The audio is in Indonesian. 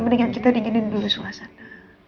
mendingan kita dingin dulu suasana